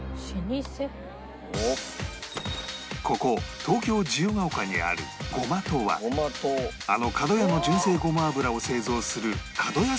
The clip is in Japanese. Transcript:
ここ東京自由が丘にある ｇｏｍａｔｏ はあのかどやの純正ごま油を製造するえっ